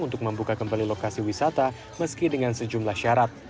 untuk membuka kembali lokasi wisata meski dengan sejumlah syarat